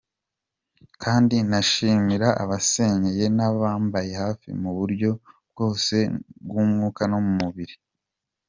Kandi nashimira abansengeye n’abambaye hafi mu buryo bwose mu mwuka no mu mubiri.